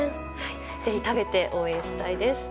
ぜひ、食べて応援したいです。